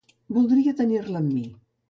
Voldria tenir-la amb mi.